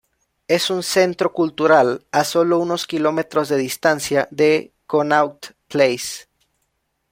Es un centro cultural, a sólo unos kilómetros de distancia de Connaught Place.